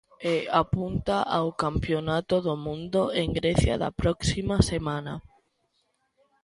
E apunta ao campionato do mundo en Grecia da próxima semana.